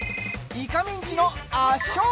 イカミンチの圧勝！